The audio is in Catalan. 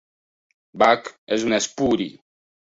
Bach és un espuri.